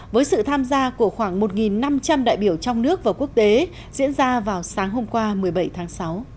với sự tham gia của khoảng một năm trăm linh đại biểu trong nước và quốc tế diễn ra vào sáng hôm qua một mươi bảy tháng sáu